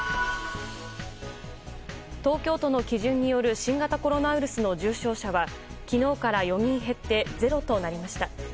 東京都の基準による新型コロナウイルスの重症者は昨日から４人減って０となりました。